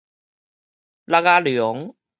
橐仔龍